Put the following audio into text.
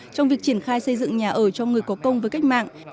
trong việc triển khai xây dựng nhà ở cho người có công với cách mạng